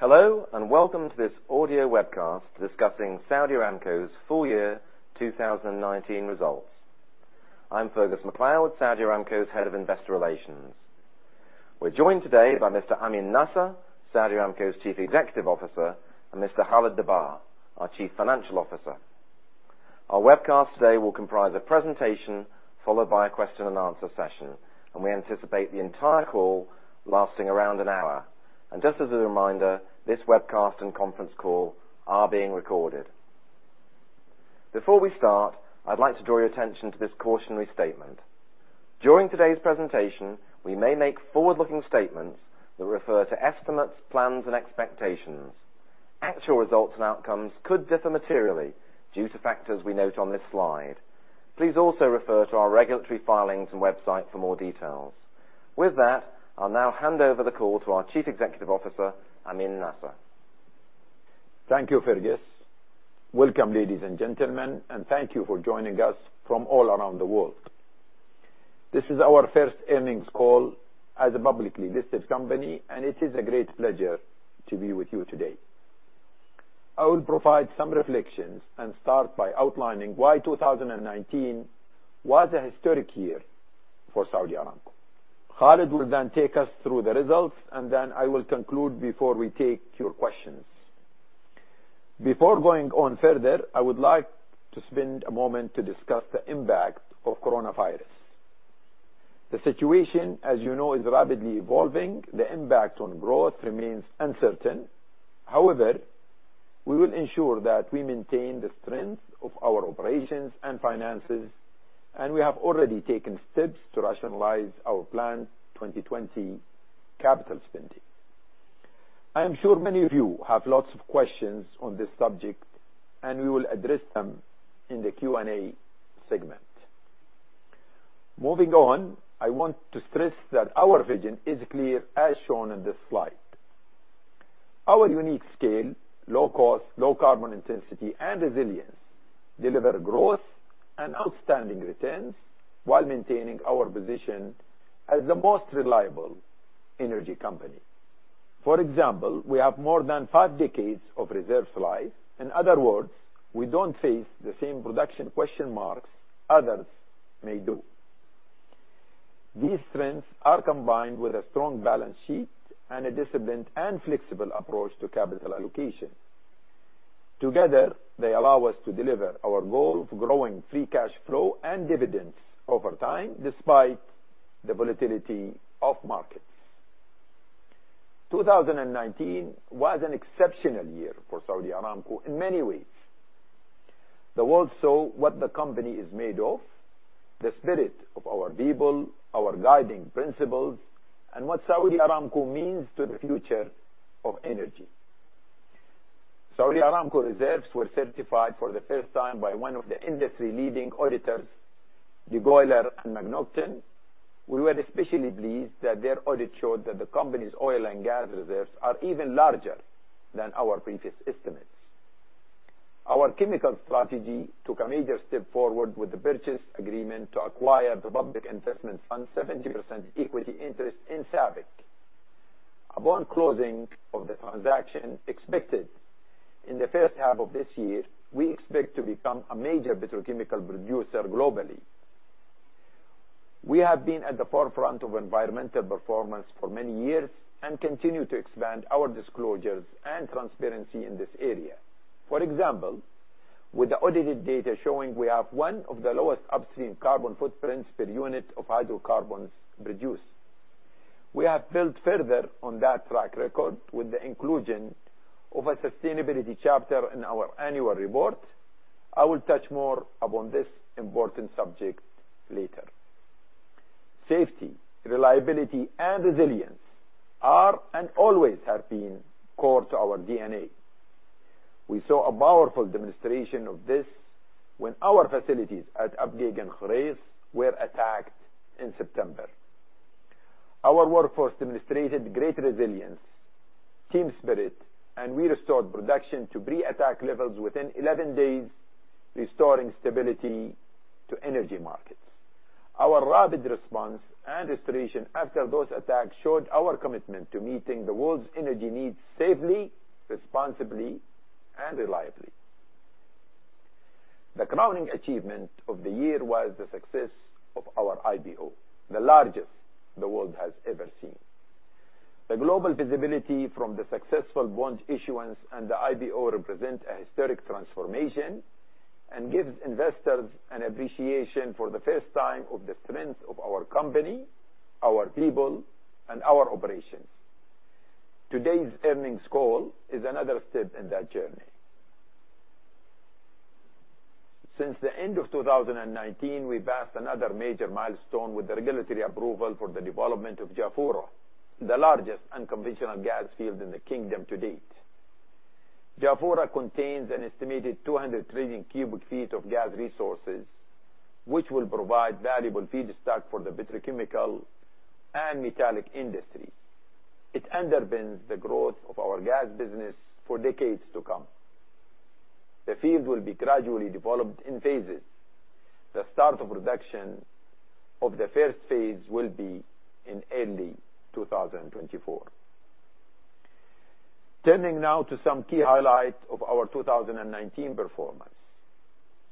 Hello, welcome to this audio webcast discussing Saudi Aramco Full Year 2019 Results. I'm Fergus MacLeod, Saudi Aramco's Head of Investor Relations. We're joined today by Mr. Amin Nasser, Saudi Aramco's Chief Executive Officer, and Mr. Khalid Al-Dabbagh, our Chief Financial Officer. Our webcast today will comprise a presentation followed by a question and answer session, and we anticipate the entire call lasting around an hour. Just as a reminder, this webcast and conference call are being recorded. Before we start, I'd like to draw your attention to this cautionary statement. During today's presentation, we may make forward-looking statements that refer to estimates, plans, and expectations. Actual results and outcomes could differ materially due to factors we note on this slide. Please also refer to our regulatory filings and website for more details. With that, I'll now hand over the call to our Chief Executive Officer, Amin Nasser. Thank you, Fergus. Welcome, ladies and gentlemen, and thank you for joining us from all around the world. This is our first earnings call as a publicly listed company, and it is a great pleasure to be with you today. I will provide some reflections and start by outlining why 2019 was a historic year for Saudi Aramco. Khalid will then take us through the results, and then I will conclude before we take your questions. Before going on further, I would like to spend a moment to discuss the impact of coronavirus. The situation, as you know, is rapidly evolving. The impact on growth remains uncertain. However, we will ensure that we maintain the strength of our operations and finances, and we have already taken steps to rationalize our planned 2020 capital spending. I am sure many of you have lots of questions on this subject, and we will address them in the Q&A segment. Moving on, I want to stress that our vision is clear, as shown in this slide. Our unique scale, low cost, low carbon intensity, and resilience deliver growth and outstanding returns while maintaining our position as the most reliable energy company. For example, we have more than five decades of reserves life. In other words, we don't face the same production question marks others may do. These strengths are combined with a strong balance sheet and a disciplined and flexible approach to capital allocation. Together, they allow us to deliver our goal of growing free cash flow and dividends over time, despite the volatility of markets. 2019 was an exceptional year for Saudi Aramco in many ways. The world saw what the company is made of, the spirit of our people, our guiding principles, and what Saudi Aramco means to the future of energy. Saudi Aramco reserves were certified for the first time by one of the industry-leading auditors, DeGolyer and MacNaughton. We were especially pleased that their audit showed that the company's oil and gas reserves are even larger than our previous estimates. Our chemical strategy took a major step forward with the purchase agreement to acquire the Public Investment Fund's 70% equity interest in SABIC. Upon closing of the transaction expected in the first half of this year, we expect to become a major petrochemical producer globally. We have been at the forefront of environmental performance for many years and continue to expand our disclosures and transparency in this area. For example, with the audited data showing we have one of the lowest upstream carbon footprints per unit of hydrocarbons produced. We have built further on that track record with the inclusion of a sustainability chapter in our annual report. I will touch more upon this important subject later. Safety, reliability, and resilience are and always have been core to our DNA. We saw a powerful demonstration of this when our facilities at Abqaiq and Khurais were attacked in September. Our workforce demonstrated great resilience, team spirit, and we restored production to pre-attack levels within 11 days, restoring stability to energy markets. Our rapid response and restoration after those attacks showed our commitment to meeting the world's energy needs safely, responsibly, and reliably. The crowning achievement of the year was the success of our IPO, the largest the world has ever seen. The global visibility from the successful bonds issuance and the IPO represents a historic transformation and gives investors an appreciation for the first time of the strength of our company, our people, and our operations. Today's earnings call is another step in that journey. Since the end of 2019, we've passed another major milestone with the regulatory approval for the development of Jafurah, the largest unconventional gas field in the kingdom to date. Jafurah contains an estimated 200 trillion cubic feet of gas resources, which will provide valuable feedstock for the petrochemical and metallic industry. It underpins the growth of our gas business for decades to come. The field will be gradually developed in phases. The start of production of the first phase will be in early 2024. Turning now to some key highlights of our 2019 performance.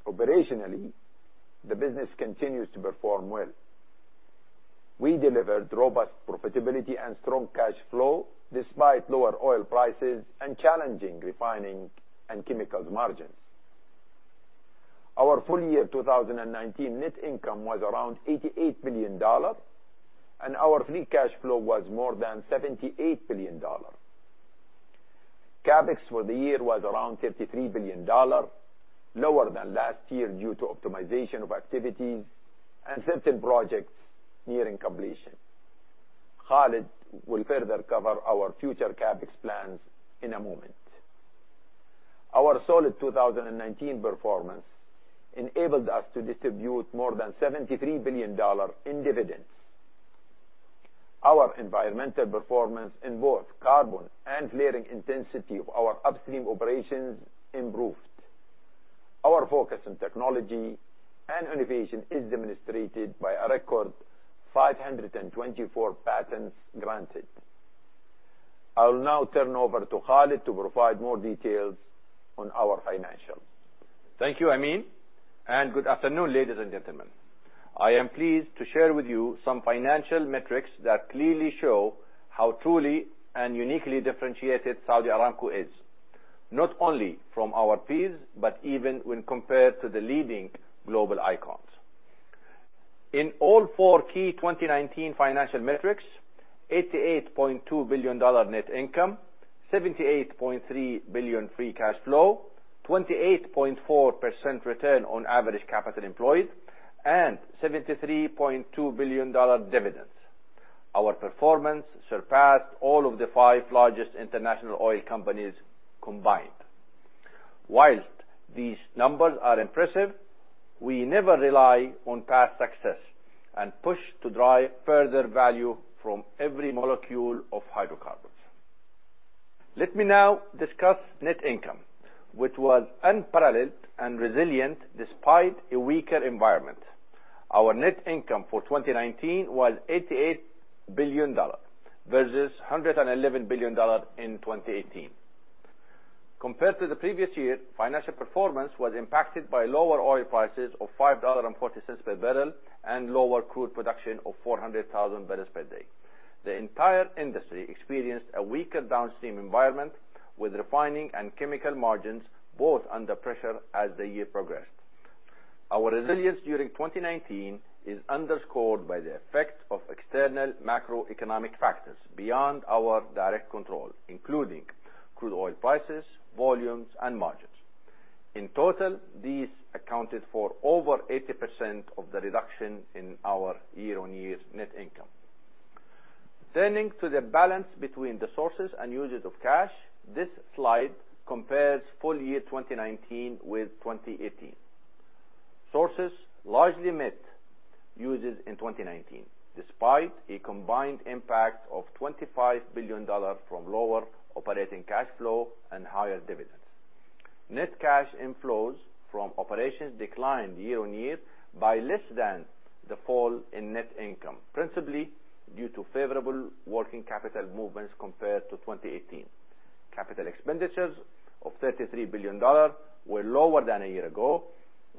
Operationally, the business continues to perform well. We delivered robust profitability and strong cash flow despite lower oil prices and challenging refining and chemicals margins. Our full year 2019 net income was around $88 billion, and our free cash flow was more than $78 billion. CapEx for the year was around $33 billion, lower than last year due to optimization of activities and certain projects nearing completion. Khalid will further cover our future CapEx plans in a moment. Our solid 2019 performance enabled us to distribute more than $73 billion in dividends. Our environmental performance in both carbon and flaring intensity of our upstream operations improved. Our focus on technology and innovation is demonstrated by a record 524 patents granted. I'll now turn over to Khalid to provide more details on our financials. Thank you, Amin, and good afternoon, ladies and gentlemen. I am pleased to share with you some financial metrics that clearly show how truly and uniquely differentiated Saudi Aramco is, not only from our peers, but even when compared to the leading global icons. In all four key 2019 financial metrics, $88.2 billion net income, $78.3 billion free cash flow, 28.4% return on average capital employed, and $73.2 billion dividends. Our performance surpassed all of the five largest international oil companies combined. Whilst these numbers are impressive, we never rely on past success and push to drive further value from every molecule of hydrocarbons. Let me now discuss net income, which was unparalleled and resilient despite a weaker environment. Our net income for 2019 was $88 billion versus $111 billion in 2018. Compared to the previous year, financial performance was impacted by lower oil prices of $5.40 per barrel and lower crude production of 400,000 barrels per day. The entire industry experienced a weaker Downstream environment with refining and chemical margins both under pressure as the year progressed. Our resilience during 2019 is underscored by the effect of external macroeconomic factors beyond our direct control, including crude oil prices, volumes, and margins. In total, these accounted for over 80% of the reduction in our year-on-year net income. Turning to the balance between the sources and uses of cash, this slide compares full year 2019 with 2018. Sources largely met uses in 2019, despite a combined impact of $25 billion from lower operating cash flow and higher dividends. Net cash inflows from operations declined year on year by less than the fall in net income, principally due to favorable working capital movements compared to 2018. Capital expenditures of $33 billion were lower than a year ago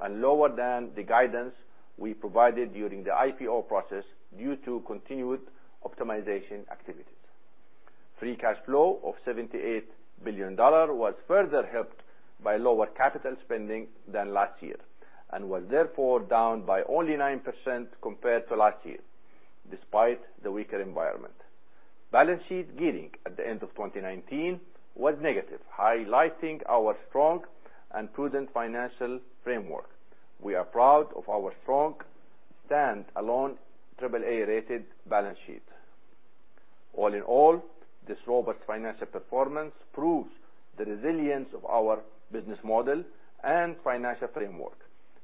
and lower than the guidance we provided during the IPO process due to continued optimization activities. Free cash flow of $78 billion was further helped by lower capital spending than last year and was therefore down by only 9% compared to last year, despite the weaker environment. Balance sheet gearing at the end of 2019 was negative, highlighting our strong and prudent financial framework. We are proud of our strong stand-alone AAA-rated balance sheet. All in all, this robust financial performance proves the resilience of our business model and financial framework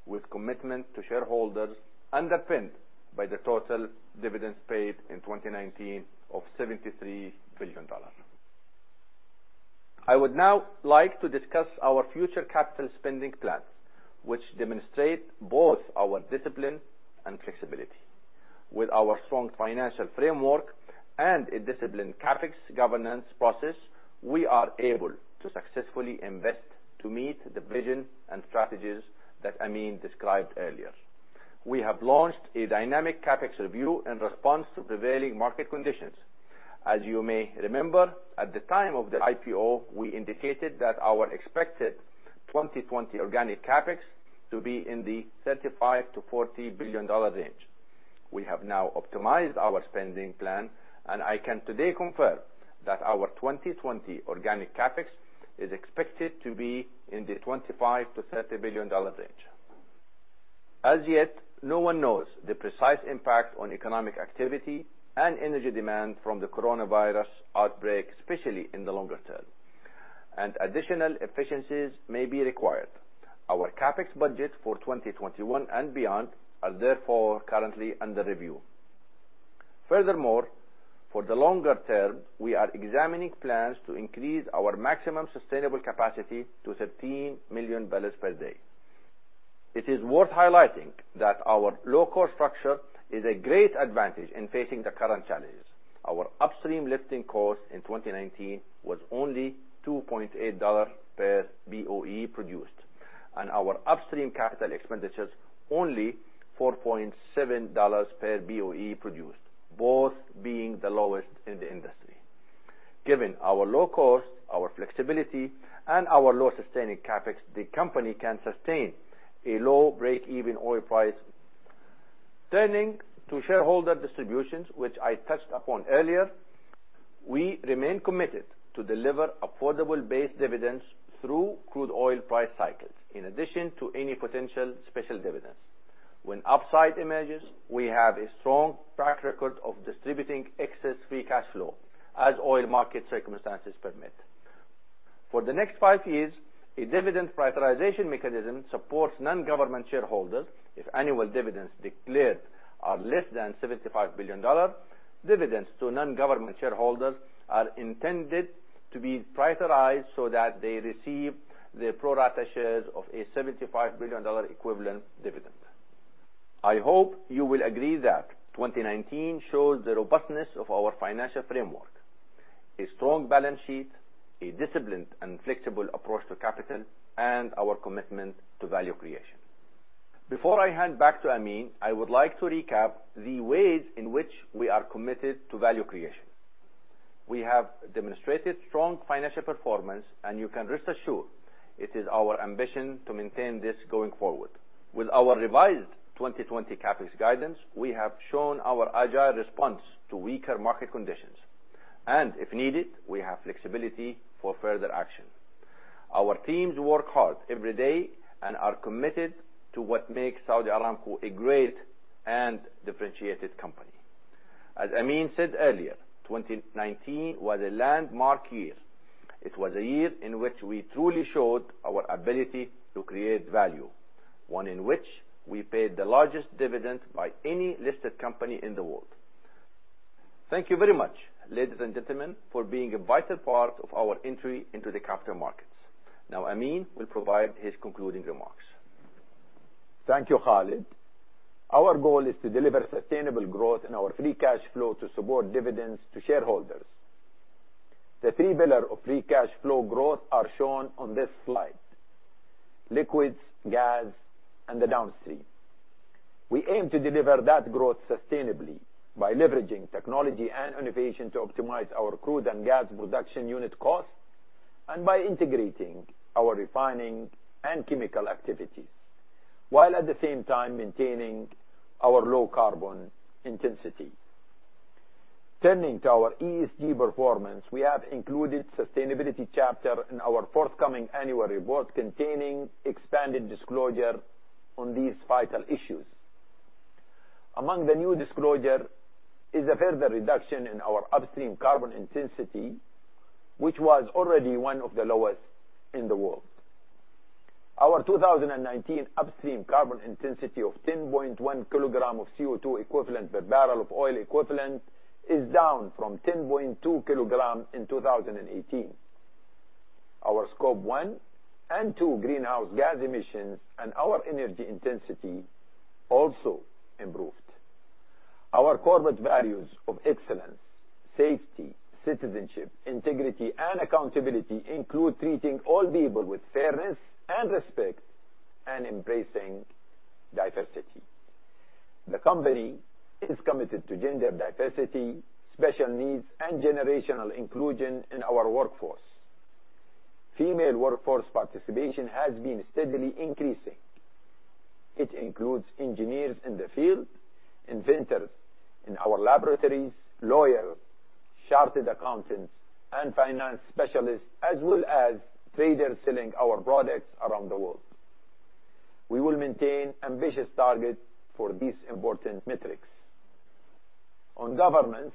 with commitment to shareholders underpinned by the total dividends paid in 2019 of $73 billion. I would now like to discuss our future capital spending plans, which demonstrate both our discipline and flexibility. With our strong financial framework and a disciplined CapEx governance process, we are able to successfully invest to meet the vision and strategies that Amin described earlier. We have launched a dynamic CapEx review in response to prevailing market conditions. As you may remember, at the time of the IPO, we indicated that our expected 2020 organic CapEx to be in the $35 billion-$40 billion range. We have now optimized our spending plan, and I can today confirm that our 2020 organic CapEx is expected to be in the $25 billion-$30 billion range. As yet, no one knows the precise impact on economic activity and energy demand from the coronavirus outbreak, especially in the longer term, and additional efficiencies may be required. Our CapEx budget for 2021 and beyond are therefore currently under review. Furthermore, for the longer term, we are examining plans to increase our maximum sustainable capacity to 13 million barrels per day. It is worth highlighting that our low-cost structure is a great advantage in facing the current challenges. Our Upstream lifting cost in 2019 was only $2.8 per BOE produced, and our Upstream capital expenditures only $4.7 per BOE produced, both being the lowest in the industry. Given our low cost, our flexibility, and our low sustaining CapEx, the company can sustain a low breakeven oil price. Turning to shareholder distributions, which I touched upon earlier, we remain committed to deliver affordable base dividends through crude oil price cycles, in addition to any potential special dividends. When upside emerges, we have a strong track record of distributing excess free cash flow as oil market circumstances permit. For the next five years, a dividend prioritization mechanism supports non-government shareholders if annual dividends declared are less than $75 billion, dividends to non-government shareholders are intended to be prioritized so that they receive their pro rata shares of a $75 billion equivalent dividend. I hope you will agree that 2019 shows the robustness of our financial framework, a strong balance sheet, a disciplined and flexible approach to capital, and our commitment to value creation. Before I hand back to Amin, I would like to recap the ways in which we are committed to value creation. We have demonstrated strong financial performance, and you can rest assured it is our ambition to maintain this going forward. With our revised 2020 CapEx guidance, we have shown our agile response to weaker market conditions, and if needed, we have flexibility for further action. Our teams work hard every day and are committed to what makes Saudi Aramco a great and differentiated company. As Amin said earlier, 2019 was a landmark year. It was a year in which we truly showed our ability to create value, one in which we paid the largest dividend by any listed company in the world. Thank you very much, ladies and gentlemen, for being a vital part of our entry into the capital markets. Now Amin will provide his concluding remarks. Thank you, Khalid. Our goal is to deliver sustainable growth in our free cash flow to support dividends to shareholders. The three pillars of free cash flow growth are shown on this slide. Liquids, gas, and the Downstream. We aim to deliver that growth sustainably by leveraging technology and innovation to optimize our crude and gas production unit cost and by integrating our refining and chemical activities, while at the same time maintaining our low carbon intensity. Turning to our ESG performance, we have included sustainability chapter in our forthcoming annual report containing expanded disclosure on these vital issues. Among the new disclosure is a further reduction in our Upstream carbon intensity, which was already one of the lowest in the world. Our 2019 Upstream carbon intensity of 10.1 kg of CO2 equivalent per barrel of oil equivalent is down from 10.2 kg in 2018. Our scope one and two greenhouse gas emissions and our energy intensity also improved. Our corporate values of excellence, safety, citizenship, integrity, and accountability include treating all people with fairness and respect and embracing diversity. The company is committed to gender diversity, special needs, and generational inclusion in our workforce. Female workforce participation has been steadily increasing. It includes engineers in the field, inventors in our laboratories, lawyers, chartered accountants, and finance specialists, as well as traders selling our products around the world. We will maintain ambitious targets for these important metrics. On governance,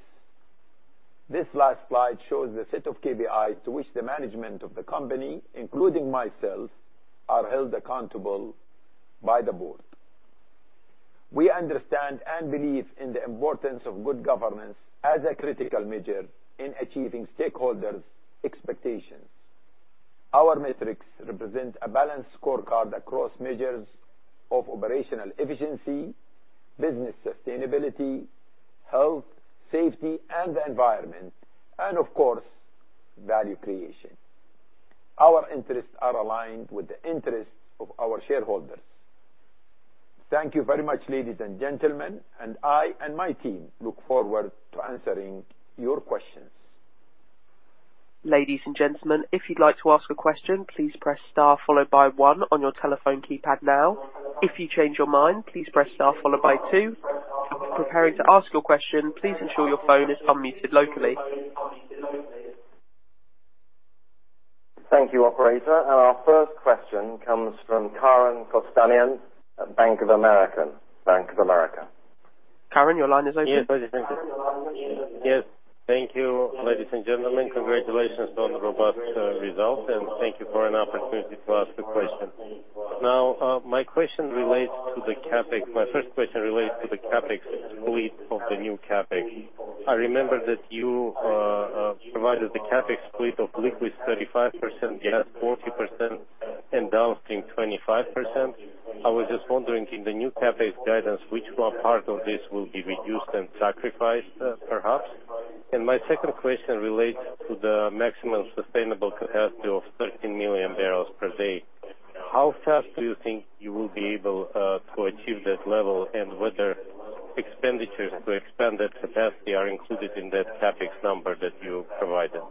this last slide shows the set of KPIs to which the management of the company, including myself, are held accountable by the board. We understand and believe in the importance of good governance as a critical measure in achieving stakeholders' expectations. Our metrics represent a balanced scorecard across measures of operational efficiency, business sustainability, health, safety, and the environment, and of course, value creation. Our interests are aligned with the interests of our shareholders. Thank you very much, ladies and gentlemen. I and my team look forward to answering your questions. Ladies and gentlemen, if you'd like to ask a question, please press star followed by one on your telephone keypad now. If you change your mind, please press star followed by two. If you're preparing to ask your question, please ensure your phone is unmuted locally. Thank you, operator. Our first question comes from Karen Kostanian at Bank of America. Karen, your line is open. Yes. Thank you, ladies and gentlemen. Congratulations on the robust results, and thank you for an opportunity to ask a question. Now, my first question relates to the CapEx split of the new CapEx. I remember that you provided the CapEx split of liquids 35%, gas 40%, and Downstream 25%. I was just wondering, in the new CapEx guidance, which part of this will be reduced and sacrificed, perhaps? My second question relates to the maximum sustainable capacity of 13 million barrels per day. How fast do you think you will be able to achieve that level, and whether expenditures to expand that capacity are included in that CapEx number that you provided?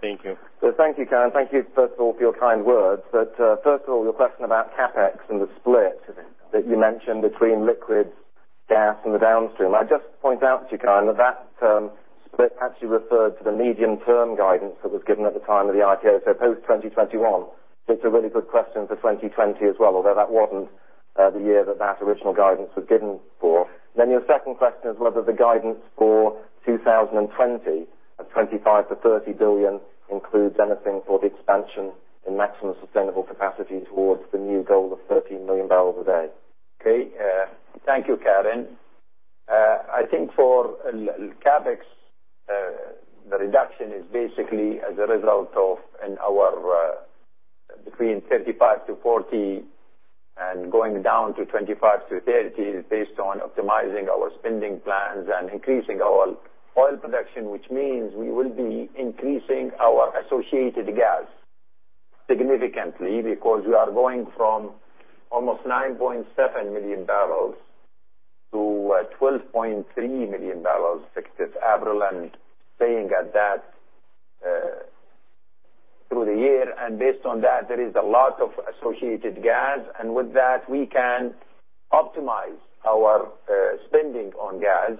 Thank you. Thank you, Karen. Thank you, first of all, for your kind words. First of all, your question about CapEx and the split that you mentioned between liquids, gas, and the Downstream. I just point out to you, Karen, that term split actually referred to the medium-term guidance that was given at the time of the IPO, so post 2021. It's a really good question for 2020 as well, although that wasn't the year that original guidance was given for. Your second question is whether the guidance for 2020 of $25 billion-$30 billion includes anything for the expansion in maximum sustainable capacity towards the new goal of 13 million barrels a day. Okay. Thank you, Karen. I think for CapEx, the reduction is basically as a result of between 35%-40% and going down to 25%-30% is based on optimizing our spending plans and increasing our oil production, which means we will be increasing our associated gas significantly because we are going from almost 9.7 million barrels to 12.3 million barrels fixed this April and staying at that through the year. Based on that, there is a lot of associated gas, and with that, we can optimize our spending on gas.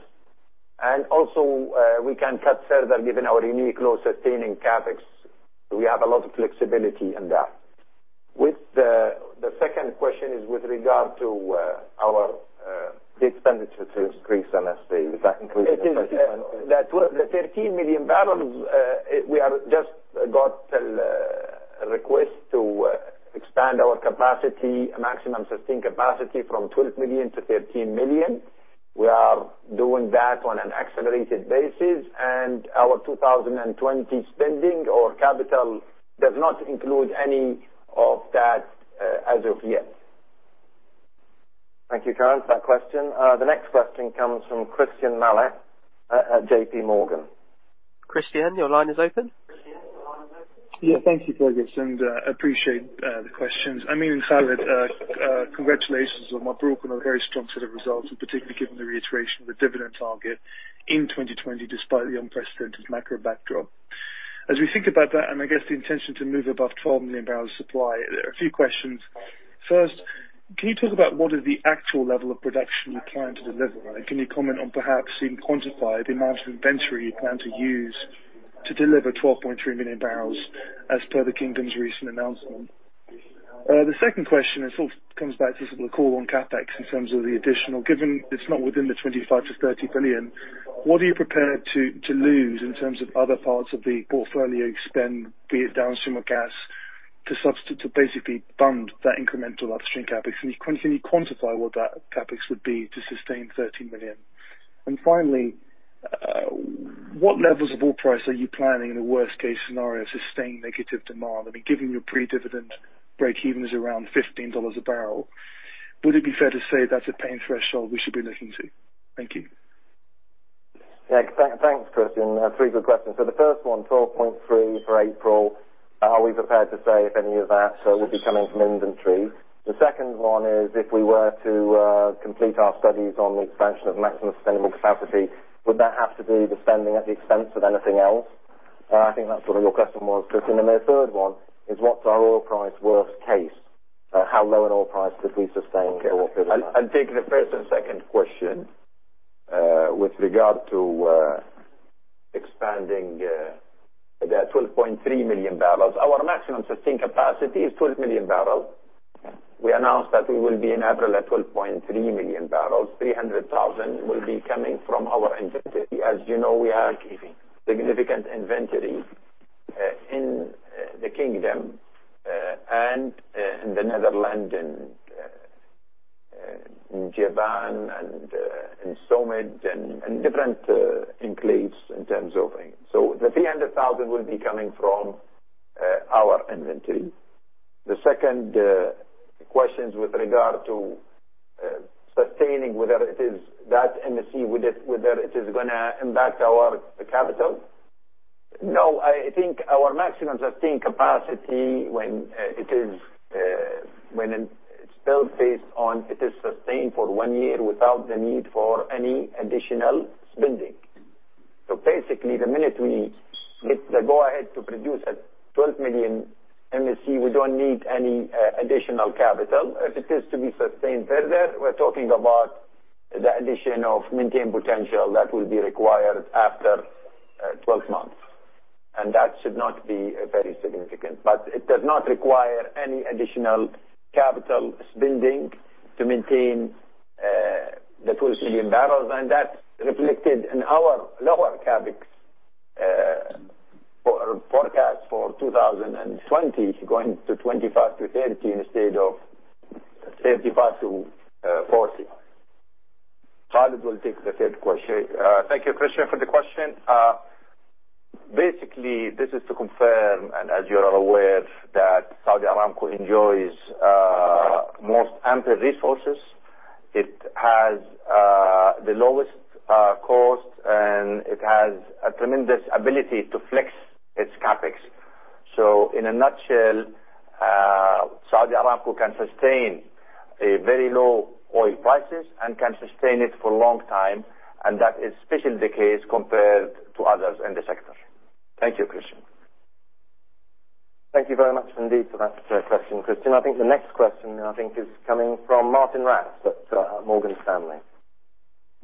Also, we can cut further given our unique low sustaining CapEx. We have a lot of flexibility in that. The second question is with regard to our big expenditure to increase MSC. The 13 million barrels, we have just got a request to expand our maximum sustainable capacity from 12 million to 13 million. We are doing that on an accelerated basis. Our 2020 spending or capital does not include any of that as of yet. Thank you, Karen, for that question. The next question comes from Christyan Malek at JPMorgan. Christyan, your line is open. Thank you, Fergus, and appreciate the questions. Amin and Khalid, congratulations on what broke on a very strong set of results. Particularly given the reiteration of the dividend target in 2020, despite the unprecedented macro backdrop. As we think about that, and I guess the intention to move above 12 million barrels supply, there are a few questions. First, can you talk about what is the actual level of production you plan to deliver? Can you comment on, perhaps even quantify the amount of inventory you plan to use to deliver 12.3 million barrels as per the Kingdom's recent announcement? The second question, it comes back to the call on CapEx in terms of the additional. Given it's not within the $25 billion-$30 billion, what are you prepared to lose in terms of other parts of the portfolio you spend, be it downstream or gas, to basically fund that incremental upstream CapEx? Can you quantify what that CapEx would be to sustain 13 million? Finally, what levels of oil price are you planning in a worst-case scenario, sustaining negative demand? I mean, given your pre-dividend breakeven is around $15 a barrel, would it be fair to say that's a pain threshold we should be looking to? Thank you. Yeah. Thanks, Christyan. Three good questions. The first one, 12.3 for April. Are we prepared to say if any of that will be coming from inventory? The second one is if we were to complete our studies on the expansion of maximum sustainable capacity, would that have to be the spending at the expense of anything else? I think that's what your question was, Christyan. The third one is what's our oil price worst case? How low an oil price could we sustain for a period of time? I'll take the first and second question. With regard to expanding the 12.3 million barrels, our maximum sustained capacity is 12 million barrels. We announced that we will be in April at 12.3 million barrels. 300,000 will be coming from our inventory. As you know, we are keeping significant inventory in the Kingdom and in the Netherlands and in Jivan and in SUMED and different enclaves. So the 300,000 will be coming from our inventory. The second question with regard to sustaining whether it is that MSC, whether it is going to impact our capital. No, I think our maximum sustained capacity, when it is still based on it is sustained for one year without the need for any additional spending. Basically, the minute we get the go-ahead to produce at 12 million MSC, we don't need any additional capital. If it is to be sustained further, we're talking about the addition of Maintained Potential that will be required after 12 months. That should not be very significant, but it does not require any additional capital spending to maintain the 2 million barrels, and that's reflected in our lower CapEx for our forecast for 2020 going to $25-$30 instead of $35-$40. Khalid will take the third question. Thank you, Christyan, for the question. Basically, this is to confirm, and as you are aware, that Saudi Aramco enjoys most ample resources. It has the lowest cost, and it has a tremendous ability to flex its CapEx. In a nutshell, Saudi Aramco can sustain very low oil prices and can sustain it for a long time, and that is especially the case compared to others in the sector. Thank you, Christyan. Thank you very much indeed for that question, Christyan. I think the next question, I think, is coming from Martijn Rats at Morgan Stanley.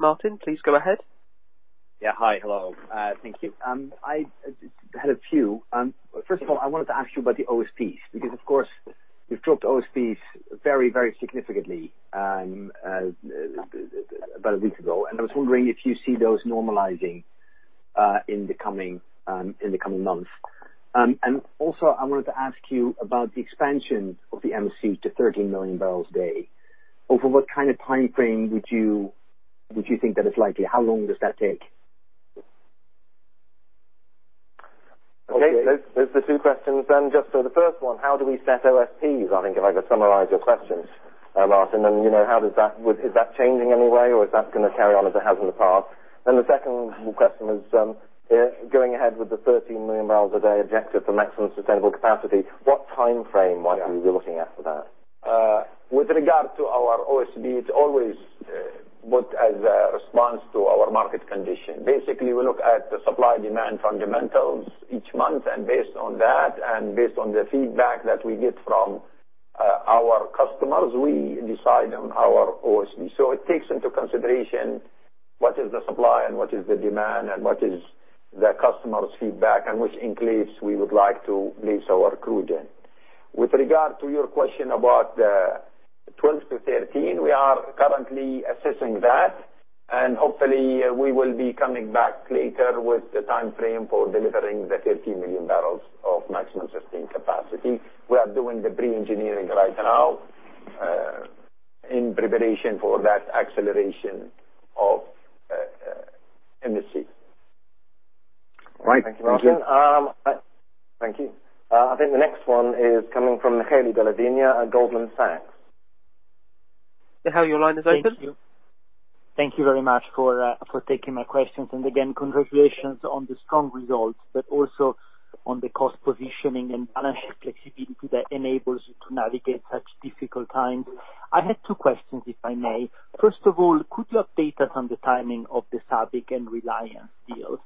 Martijn, please go ahead. Yeah. Hi. Hello. Thank you. I had a few. First of all, I wanted to ask you about the OSPs, because, of course, you've dropped OSPs very significantly about a week ago, and I was wondering if you see those normalizing in the coming months. Also, I wanted to ask you about the expansion of the MC to 13 million barrels a day. Over what kind of time frame would you think that it's likely? How long does that take? Those are the two questions then. The first one, how do we set OSPs? I think if I could summarize your questions, Martijn, is that changing in any way, or is that going to carry on as it has in the past? The second question is, going ahead with the 13 million barrels a day objective for maximum sustainable capacity, what time frame might we be looking at for that? With regard to our OSP, it's always put as a response to our market condition. Basically, we look at the supply-demand fundamentals each month, and based on that, and based on the feedback that we get from our customers, we decide on our OSP. It takes into consideration what is the supply and what is the demand and what is the customer's feedback, and which enclaves we would like to lease our crude in. With regard to your question about the 12 to 13, we are currently assessing that, and hopefully, we will be coming back later with the time frame for delivering the 13 million barrels of maximum sustainable capacity. We are doing the pre-engineering right now in preparation for that acceleration of MSC. Right. Thank you. Thank you, Martijn Rats. Thank you. I think the next one is coming from Michele Della Vigna at Goldman Sachs. Michele, your line is open. Thank you. Thank you very much for taking my questions. Again, congratulations on the strong results, but also on the cost positioning and financial flexibility that enables you to navigate such difficult times. I have two questions, if I may. First of all, could you update us on the timing of the SABIC and Reliance deals?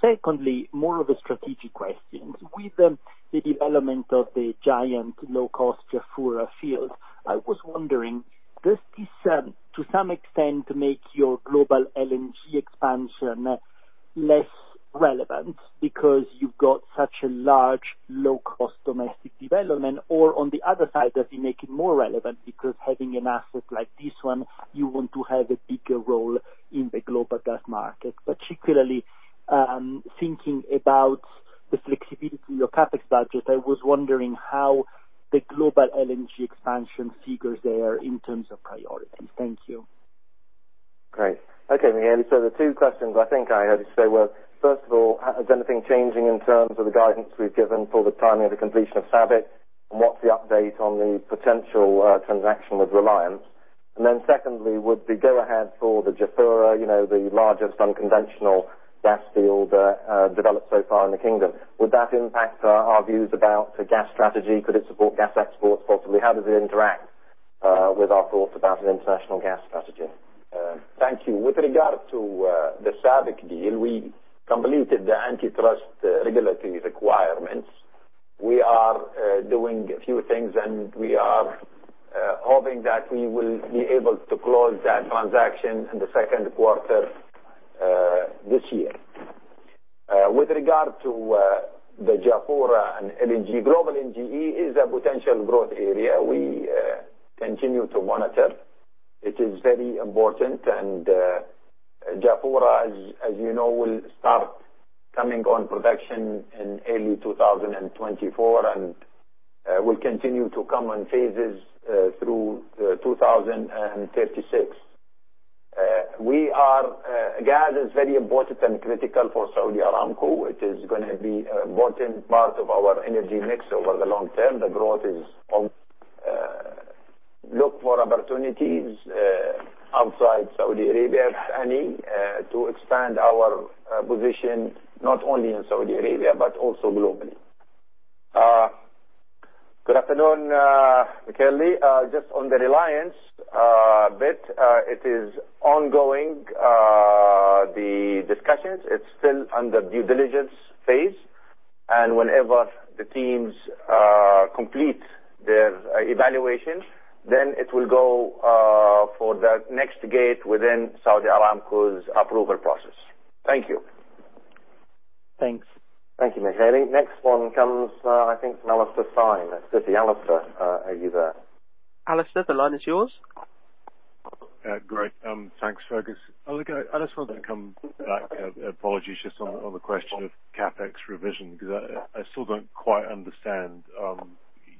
Secondly, more of a strategic question. With the development of the giant low-cost Jafurah field, I was wondering, does this, to some extent, make your global LNG expansion less relevant because you've got such a large low-cost domestic development? On the other side, does it make it more relevant because having an asset like this one, you want to have a bigger role in the global gas market? Particularly, thinking about the flexibility of your CapEx budget, I was wondering how the global LNG expansion figures there in terms of priority. Thank you. Great. Okay, Michele Della Vigna, the two questions I think I heard you say were, first of all, is anything changing in terms of the guidance we've given for the timing of the completion of SABIC, and what is the update on the potential transaction with Reliance Industries? Secondly, would the go-ahead for the Jafurah, the largest unconventional gas field developed so far in the kingdom, would that impact our views about the gas strategy? Could it support gas exports possibly? How does it interact with our thoughts about an international gas strategy? Thank you. With regard to the SABIC deal, we completed the antitrust regulatory requirements. We are doing a few things, and we are hoping that we will be able to close that transaction in the second quarter this year. With regard to the Jafurah and LNG, global LNG is a potential growth area we continue to monitor. It is very important, and Jafurah, as you know, will start coming on production in early 2024 and will continue to come on phases through 2036. Gas is very important and critical for Saudi Aramco. It is going to be an important part of our energy mix over the long term. The growth is look for opportunities outside Saudi Arabia, if any, to expand our position, not only in Saudi Arabia, but also globally. Good afternoon, Michele. Just on the Reliance bit, it is ongoing, the discussions. It is still under due diligence phase, and whenever the teams complete their evaluation, then it will go for the next gate within Saudi Aramco's approval process. Thank you. Thanks. Thank you, Michele. Next one comes, I think, from Alastair Syme at Citi. Alastair, are you there? Alastair, the line is yours. Great. Thanks, Fergus. I just wanted to come back, apologies, just on the question of CapEx revision, because I still don't quite understand.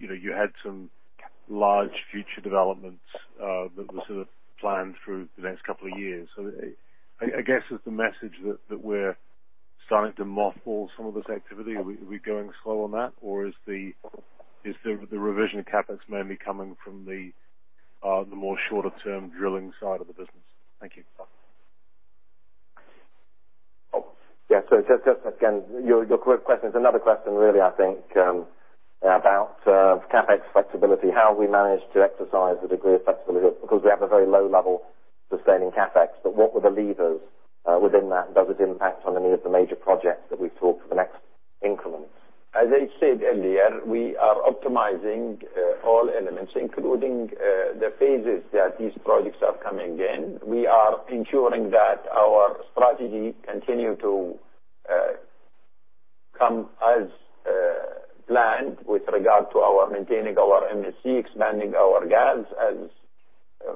You had some large future developments that were sort of planned through the next couple of years. I guess is the message that we're starting to mothball some of this activity? Are we going slow on that? Is the revision of CapEx mainly coming from the more shorter-term drilling side of the business? Thank you. Oh. Yeah, just again, your question is another question, really, I think, about CapEx flexibility, how we manage to exercise the degree of flexibility, because we have a very low level sustaining CapEx. What were the levers within that, and does it impact on any of the major projects that we've talked for the next increments? As I said earlier, we are optimizing all elements, including the phases that these projects are coming in. We are ensuring that our strategy continue to come as planned with regard to our maintaining our MSC, expanding our gas as,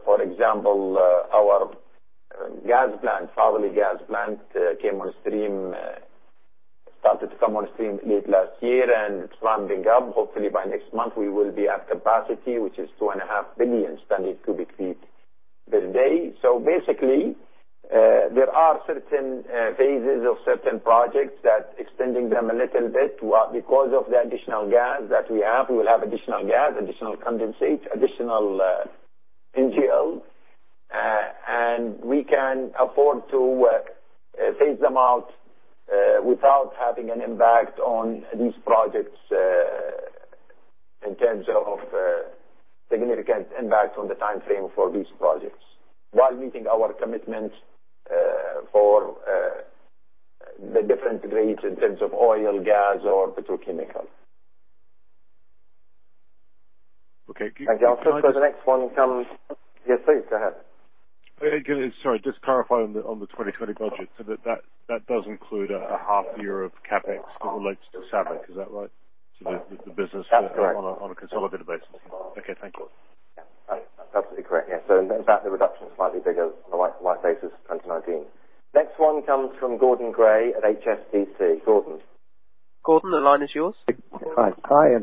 for example, our gas plant, Fadhili gas plant, started to come on stream late last year, and it's ramping up. Hopefully by next month we will be at capacity, which is 2.5 billion standard cubic feet per day. Basically, there are certain phases of certain projects that extending them a little bit because of the additional gas that we have. We will have additional gas, additional condensate, additional NGL. We can afford to phase them out without having an impact on these projects in terms of significant impact on the timeframe for these projects while meeting our commitments for the different grades in terms of oil, gas, or petrochemical. Okay. The next one comes. Yes, please. Go ahead. Sorry, just clarify on the 2020 budget. That does include a half year of CapEx that relates to SABIC, is that right? That's correct. On a consolidated basis. Okay, thank you. Yeah. That's absolutely correct. Yeah. In that, the reduction is slightly bigger on a like basis 2019. Next one comes from Gordon Gray at HSBC. Gordon. Gordon, the line is yours. Hi.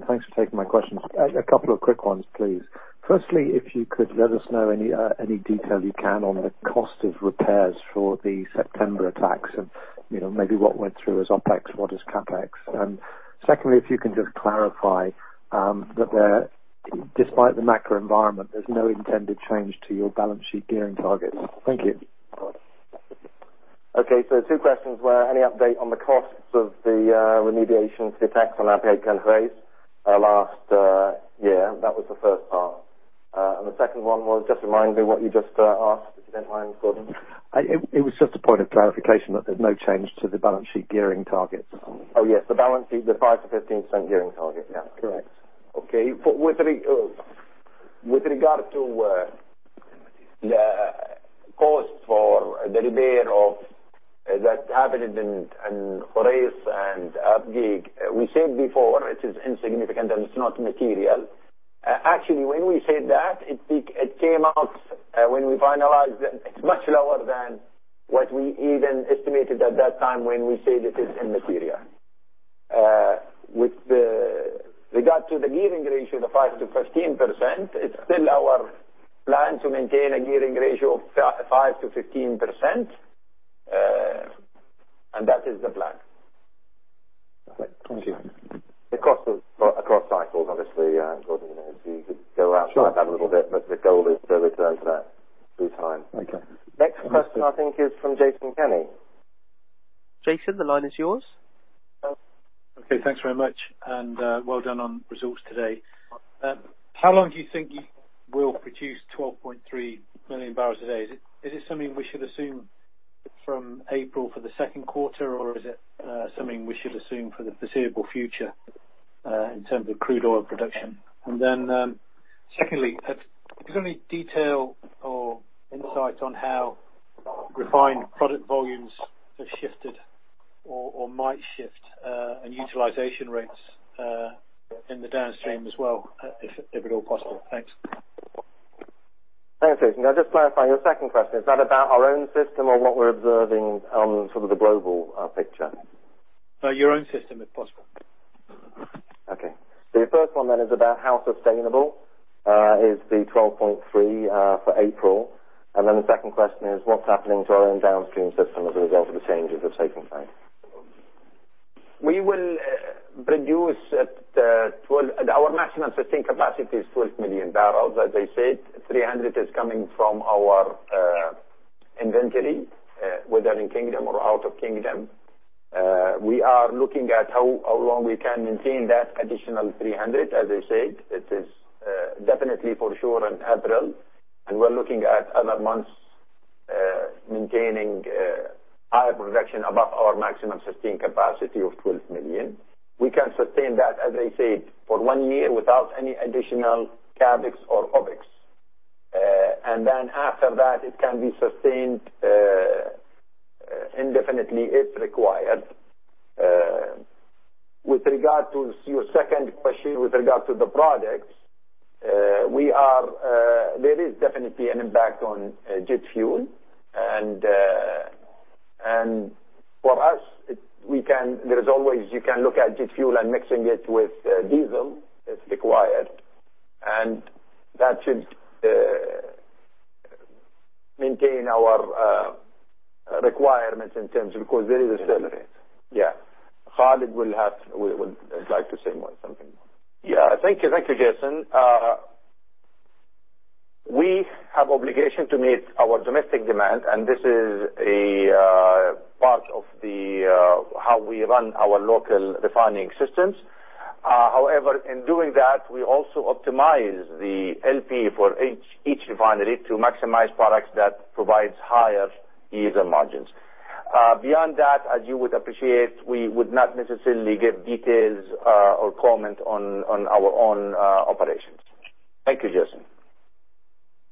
Thanks for taking my questions. A couple of quick ones, please. Firstly, if you could let us know any detail you can on the cost of repairs for the September attacks and maybe what went through as OpEx, what as CapEx. Secondly, if you can just clarify that despite the macro environment, there's no intended change to your balance sheet gearing targets. Thank you. Okay. Two questions were any update on the costs of the remediation to the attacks on Abqaiq and Khurais last year. That was the first part. The second one was, just remind me what you just asked, if you don't mind, Gordon. It was just a point of clarification that there's no change to the balance sheet gearing targets. Oh, yes. The balance sheet, the five to 15% gearing target. Yeah. Correct. With regard to the cost for the repair of that happened in Khurais and Abqaiq, we said before, it is insignificant and it's not material. Actually, when we say that, it came out when we finalized, it's much lower than what we even estimated at that time when we say that it's immaterial. With regard to the gearing ratio, the 5%-15%, it's still our plan to maintain a gearing ratio of 5%-15%. That is the plan. Perfect. Thank you. Across cycles, obviously, Gordon, if you could go outside that a little bit, but the goal is to return to that through time. Okay. Next question, I think, is from Jason Kenney. Jason, the line is yours. Okay, thanks very much, and well done on results today. How long do you think you will produce 12.3 million barrels a day? Is it something we should assume from April for the second quarter, or is it something we should assume for the foreseeable future in terms of crude oil production? Secondly, if there's any detail or insight on how refined product volumes have shifted or might shift, and utilization rates in the Downstream as well, if at all possible. Thanks. Thanks, Jason. Just to clarify your second question, is that about our own system or what we're observing on sort of the global picture? No, your own system, if possible. Okay. Your first one then is about how sustainable is the 12.3 for April. The second question is what's happening to our own downstream system as a result of the changes that have taken place? Our maximum sustainable capacity is 12 million barrels. As I said, 300 is coming from our inventory, whether in kingdom or out of kingdom. We are looking at how long we can maintain that additional 300, as I said. It is definitely for sure in April. We're looking at other months maintaining higher production above our maximum sustainable capacity of 12 million. We can sustain that, as I said, for one year without any additional CapEx or OpEx. Then after that, it can be sustained indefinitely if required. With regard to your second question, with regard to the products, there is definitely an impact on jet fuel. For us, there is always, you can look at jet fuel and mixing it with diesel if required, and that should maintain our requirements in terms of, because there is a surplus. Yeah. Khalid would like to say something more. Yeah. Thank you, Jason. We have obligation to meet our domestic demand, and this is a part of how we run our local refining systems. However, in doing that, we also optimize the LP for each refinery to maximize products that provides higher diesel margins. Beyond that, as you would appreciate, we would not necessarily give details or comment on our own operations. Thank you, Jason.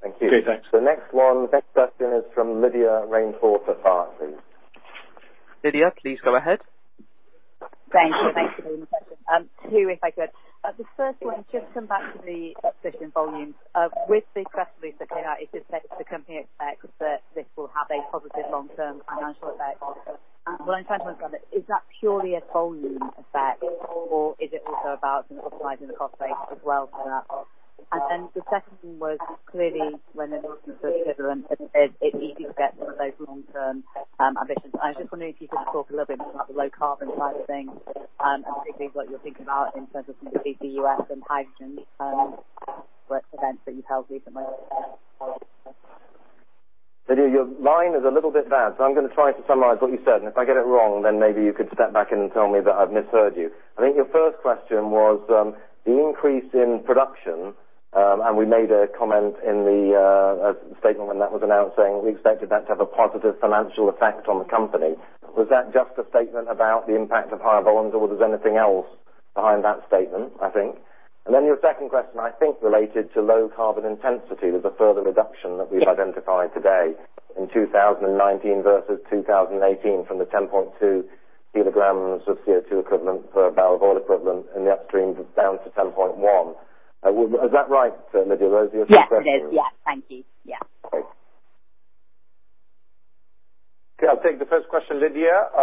Thank you. Okay, thanks. The next question is from Lydia Rainforth at Barclays. Lydia, please go ahead. Thank you. Thank you very much. Two, if I could. The first one, just come back to the efficient volumes. With the press release that came out, it just says the company expects that this will have a positive long-term financial effect. What I am trying to understand is that purely a volume effect, or is it also about an optimizing the cost base as well for that? Then the second one was, clearly when they are looking for a dividend, it is easy to get some of those long-term ambitions. I just wondered if you could talk a little bit more about the low-carbon side of things, and particularly what you are thinking about in terms of maybe BEVs and hydrogen, events that you have held recently. Lydia, your line is a little bit bad, so I'm going to try to summarize what you said, and if I get it wrong, then maybe you could step back in and tell me that I've misheard you. I think your first question was, the increase in production, and we made a comment in the statement when that was announced saying we expected that to have a positive financial effect on the company. Was that just a statement about the impact of higher volumes, or was there anything else behind that statement, I think. Your second question, I think, related to low carbon intensity. There was a further reduction that we've identified today in 2019 versus 2018 from the 10.2 kg of CO2 equivalent per barrel of oil equivalent in the Upstream down to 10.1. Is that right, Lydia? Those your two questions? Yes, it is. Yeah. Thank you. Yeah. Okay, I'll take the first question, Lydia.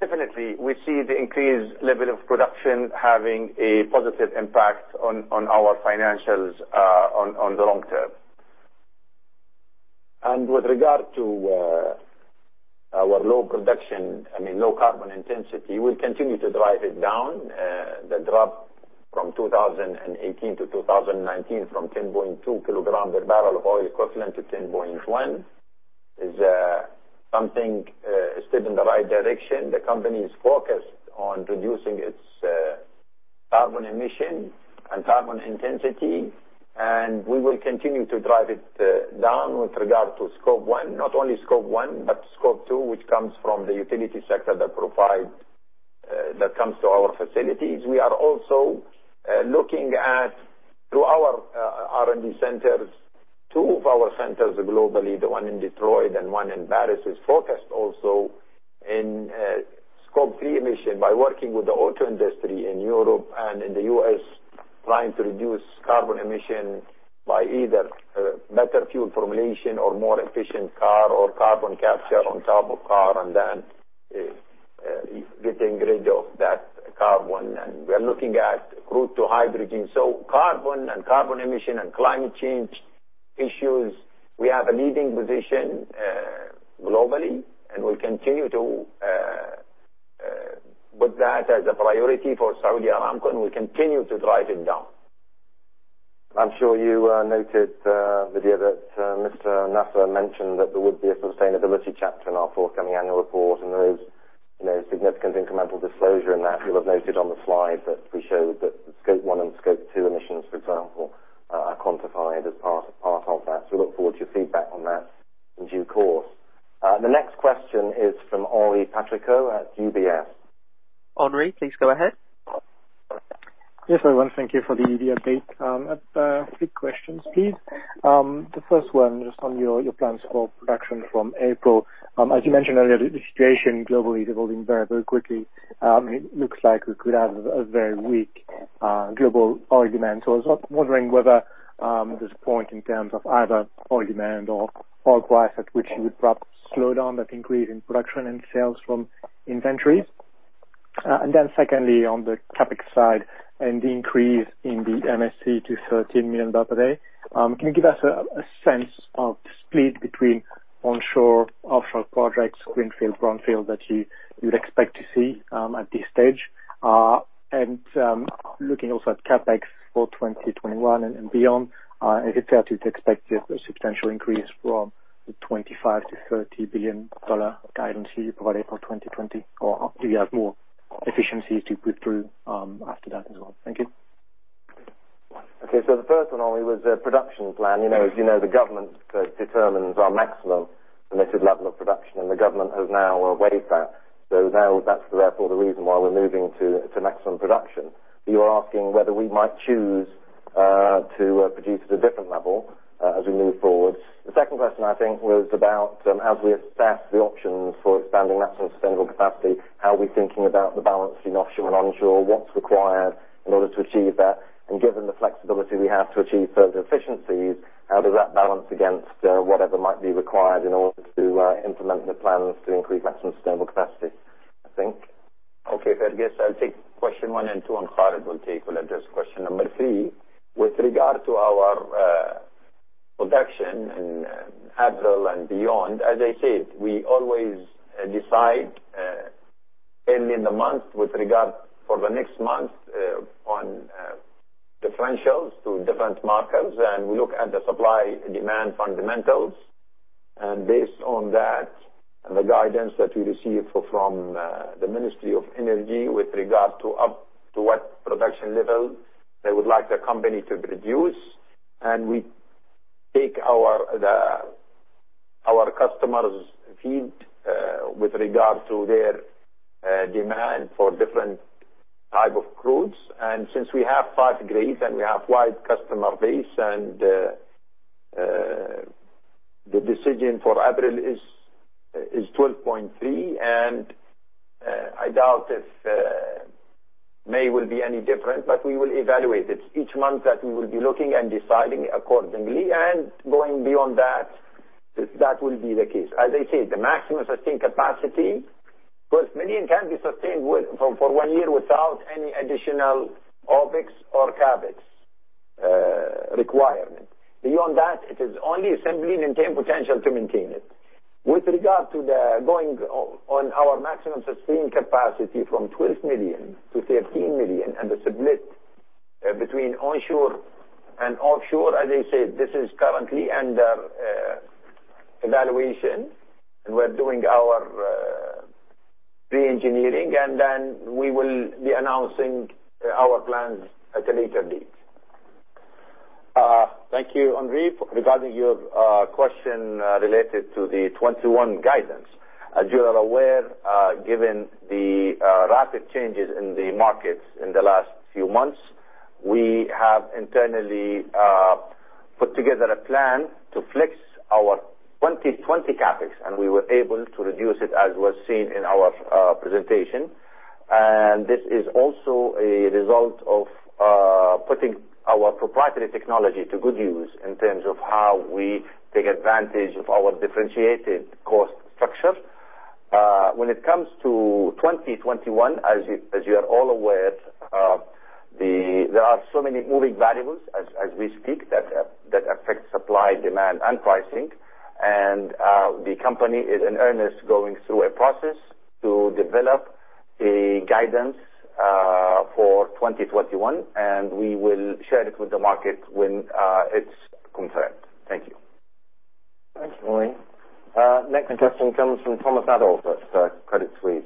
Definitely, we see the increased level of production having a positive impact on our financials on the long term. With regard to our low carbon intensity, we continue to drive it down. The drop from 2018 to 2019 from 10.2 kg per BOE to 10.1 is something, a step in the right direction. The company is focused on reducing its carbon emission and carbon intensity. We will continue to drive it down with regard to scope one, not only scope one, but scope two, which comes from the utility sector that comes to our facilities. We are also looking at, through our R&D centers, two of our centers globally, the one in Detroit and one in Paris, is focused also in scope three emissions by working with the auto industry in Europe and in the U.S. trying to reduce carbon emissions by either better fuel formulation or more efficient car or carbon capture on top of car, and then getting rid of that carbon. We are looking at route to hydrogen. Carbon and carbon emissions and climate change issues, we have a leading position globally, and we continue to put that as a priority for Saudi Aramco, and we continue to drive it down. I'm sure you noted, Lydia, that Mr. Nasser mentioned that there would be a sustainability chapter in our forthcoming annual report, and there is significant incremental disclosure in that. You'll have noted on the slide that we showed that scope one and scope two emissions, for example, are quantified as part of that. Look forward to your feedback on that in due course. The next question is from Henri Patricot at UBS. Henri, please go ahead. Yes, everyone. Thank you for the update. Three questions, please. The first one, just on your plans for production from April. As you mentioned earlier, the situation globally is evolving very, very quickly. It looks like we could have a very weak global oil demand. I was wondering whether there's a point in terms of either oil demand or oil price at which you would perhaps slow down that increase in production and sales from inventories. Secondly, on the CapEx side and the increase in the MSC to $13 million per day, can you give us a sense of the split between onshore, offshore projects, greenfield, brownfield, that you would expect to see at this stage? Looking also at CapEx for 2021 and beyond, is it fair to expect a substantial increase from the $25 billion-$30 billion guidance you provided for 2020? Do you have more efficiencies to put through after that as well? Thank you. Okay. The first one, Henri, was a production plan. As you know, the government determines our maximum permitted level of production, the government has now waived that. Now that's therefore the reason why we're moving to maximum production. You are asking whether we might choose to produce at a different level as we move forward. The second question, I think, was about as we assess the options for expanding maximum sustainable capacity, how are we thinking about the balance in offshore and onshore? What's required in order to achieve that? Given the flexibility we have to achieve further efficiencies, how does that balance against whatever might be required in order to implement the plans to increase maximum sustainable capacity? I think. Okay, Fergus, I'll take question one and two, and Khalid will address question number three. With regard to our production in April and beyond, as I said, we always decide early in the month with regard for the next month on differentials to different markets. We look at the supply and demand fundamentals. Based on that and the guidance that we receive from the Ministry of Energy with regard to up to what production level they would like the company to produce, and we take our customer's feed with regard to their demand for different type of crudes. Since we have five grades and we have wide customer base, and the decision for April is 12.3, and I doubt if May will be any different, but we will evaluate it. Each month that we will be looking and deciding accordingly. Going beyond that will be the case. As I said, the maximum sustainable capacity, 12 million can be sustained for one year without any additional OpEx or CapEx requirement. Beyond that, it is only 17 million potential to maintain it. With regard to the going on our maximum sustainable capacity from 12 million to 13 million. The split between onshore and offshore, as I said, this is currently under evaluation. We're doing our re-engineering. Then we will be announcing our plans at a later date. Thank you, Henri. Regarding your question related to the 2021 guidance. As you are aware, given the rapid changes in the markets in the last few months, we have internally put together a plan to fix our 2020 CapEx, and we were able to reduce it as was seen in our presentation. This is also a result of putting our proprietary technology to good use in terms of how we take advantage of our differentiated cost structure. When it comes to 2021, as you are all aware, there are so many moving variables as we speak that affect supply, demand, and pricing. The company is in earnest going through a process to develop a guidance for 2021, and we will share it with the market when it's confirmed. Thank you. Thank you. Next question comes from Thomas Adolff at Credit Suisse.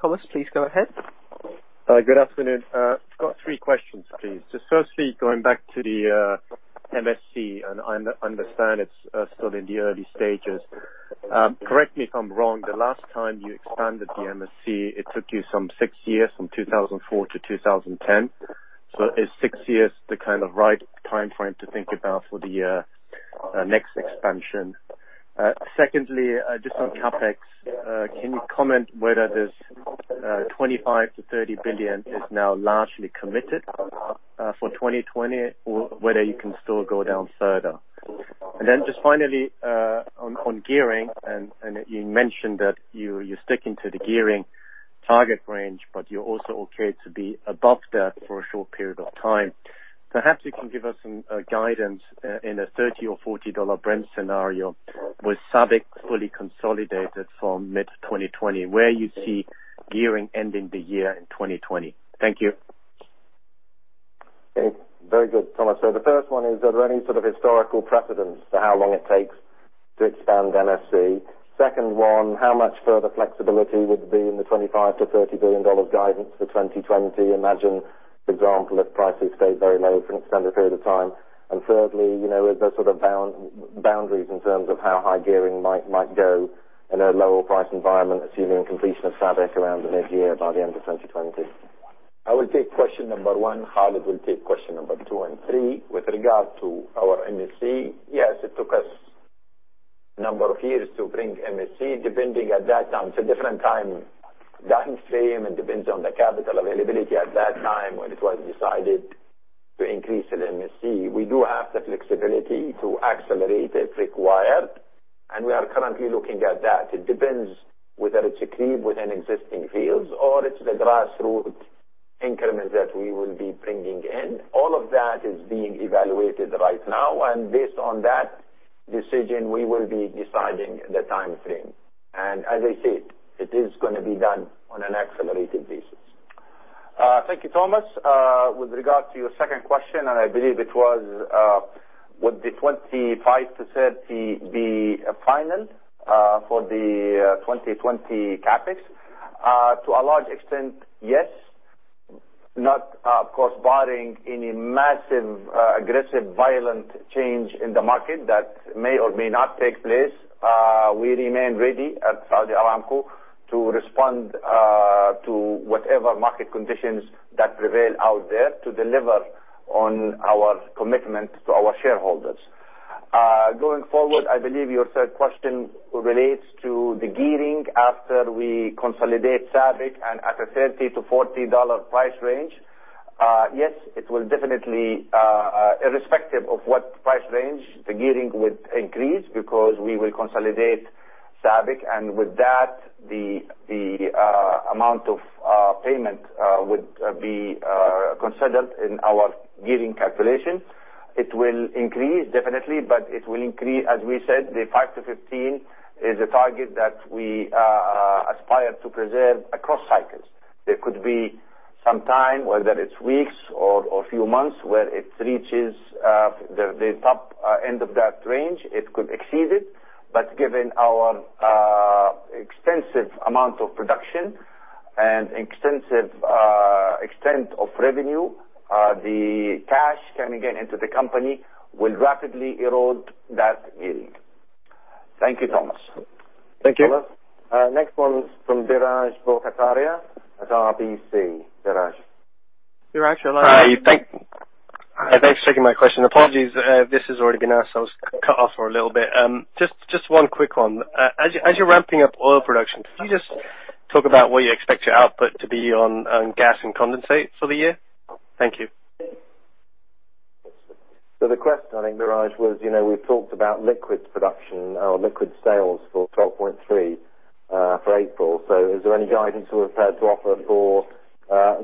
Thomas, please go ahead. Good afternoon. I've got three questions, please. Firstly, going back to the MSC, and I understand it's still in the early stages. Correct me if I'm wrong, the last time you expanded the MSC, it took you some six years from 2004 to 2010. Is six years the right time frame to think about for the next expansion? Secondly, on CapEx, can you comment whether this $25 billion-$30 billion is now largely committed for 2020, or whether you can still go down further? Finally, on gearing and you mentioned that you're sticking to the gearing target range, but you're also okay to be above that for a short period of time. Perhaps you can give us some guidance in a $30 or $40 Brent scenario with SABIC fully consolidated for mid-2020, where you see gearing ending the year in 2020. Thank you. The first one, is there any sort of historical precedence to how long it takes to expand MSC? Second one, how much further flexibility would be in the $25 billion-$30 billion guidance for 2020? Imagine, for example, if prices stayed very low for an extended period of time. Thirdly, is there sort of boundaries in terms of how high gearing might go in a lower price environment, assuming completion of SABIC around mid-year, by the end of 2020? I will take question number one. Khalid will take question number two and three. With regard to our MSC, yes, it took us number of years to bring MSC, depending at that time, it's a different time frame, it depends on the capital availability at that time when it was decided to increase the MSC. We do have the flexibility to accelerate it if required, and we are currently looking at that. It depends whether it's agreed within existing fields or it's the grassroot increments that we will be bringing in. All of that is being evaluated right now. Based on that decision, we will be deciding the time frame. As I said, it is going to be done on an accelerated basis. Thank you, Thomas. With regard to your second question, and I believe it was, would the $25-$30 be final for the 2020 CapEx? To a large extent, yes. Not, of course, barring any massive aggressive, violent change in the market that may or may not take place. We remain ready at Saudi Aramco to respond to whatever market conditions that prevail out there to deliver on our commitment to our shareholders. Going forward, I believe your third question relates to the gearing after we consolidate SABIC and at a $30-$40 price range. Yes, irrespective of what price range, the gearing will increase because we will consolidate SABIC, and with that, the amount of payment would be considered in our gearing calculations. It will increase, definitely, but it will increase, as we said, the 5-15 is a target that we aspire to preserve across cycles. There could be some time, whether it's weeks or a few months, where it reaches the top end of that range. It could exceed it. Given our extensive amount of production and extensive extent of revenue, the cash coming into the company will rapidly erode that yield. Thank you, Thomas. Thank you. Next one is from Biraj Borkhataria at RBC. Biraj. Biraj, you're live. Thanks for taking my question. Apologies, this has already been asked, I was cut off for a little bit. Just one quick one. As you're ramping up oil production, can you just talk about where you expect your output to be on gas and condensate for the year? Thank you. The question, I think, Biraj, was, we've talked about liquids production, our liquid sales for 12.3 for April. Is there any guidance you are prepared to offer for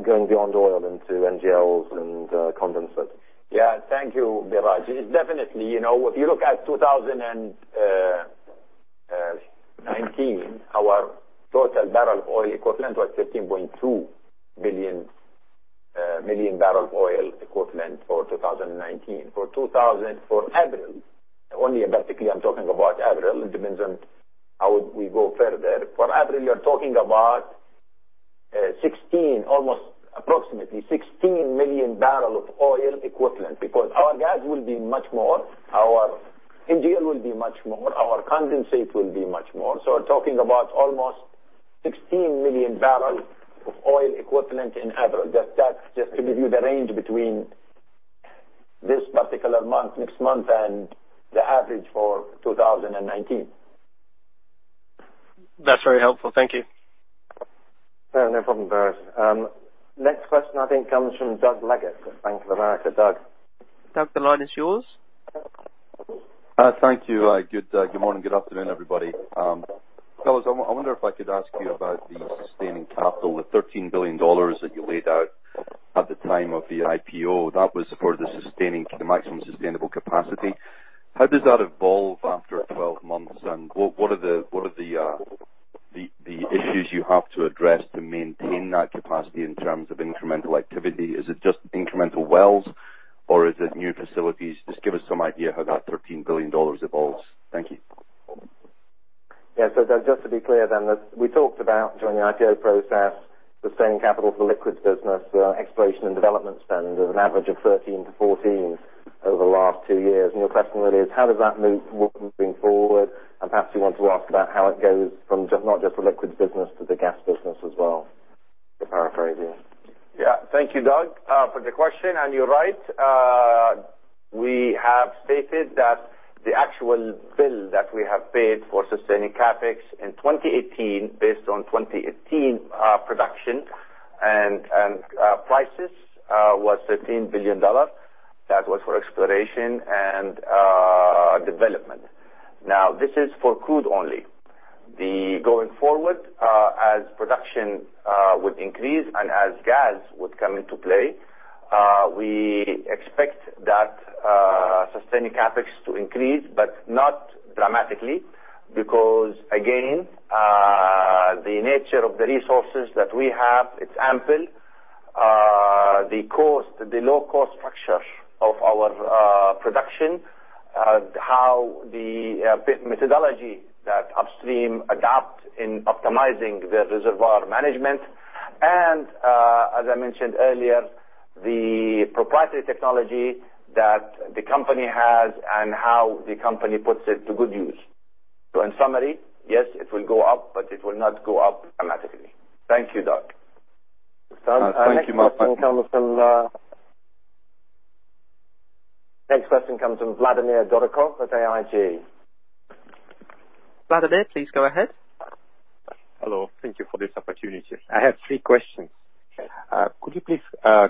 going beyond oil into NGLs and condensates? Yeah. Thank you, Biraj. Definitely. If you look at 2019, our total barrel oil equivalent was 13.2 million barrel oil equivalent for 2019. For April, only basically I'm talking about April, it depends on how we go further. For April, you're talking about approximately 16 million barrel of oil equivalent because our gas will be much more, our NGL will be much more, our condensate will be much more. We're talking about almost 16 million barrels of oil equivalent in April. That's just to give you the range between this particular month, next month, and the average for 2019. That's very helpful. Thank you. No problem, Biraj. Next question, I think, comes from Doug Leggate at Bank of America. Doug. Doug, the line is yours. Thank you. Good morning. Good afternoon, everybody. Fellas, I wonder if I could ask you about the sustaining capital. The $13 billion that you laid out at the time of the IPO, that was for the maximum sustainable capacity. How does that evolve after 12 months, and what are the issues you have to address to maintain that capacity in terms of incremental activity? Is it just incremental wells or is it new facilities? Just give us some idea how that $13 billion evolves. Thank you. Doug, just to be clear then, we talked about during the IPO process, sustaining capital for the liquids business, exploration and development spend of an average of 13-14 over the last two years. Your question really is how does that move forward? Perhaps you want to ask about how it goes from not just the liquids business to the gas business as well, to paraphrase you. Yeah. Thank you, Doug, for the question. You're right. We have stated that the actual bill that we have paid for sustaining CapEx in 2018, based on 2018 production and prices, was $13 billion. That was for exploration and development. This is for crude only. Going forward, as production would increase and as gas would come into play, we expect that sustaining CapEx to increase, but not dramatically because, again, the nature of the resources that we have, it's ample. The low-cost structure of our production, how the methodology that Upstream adapt in optimizing the reservoir management and, as I mentioned earlier, the proprietary technology that the company has and how the company puts it to good use. In summary, yes, it will go up, but it will not go up dramatically. Thank you, Doug. Thank you. Next question comes from Vladimir Dorokhov at AIG. Vladimir, please go ahead. Hello. Thank you for this opportunity. I have three questions. Okay. Could you please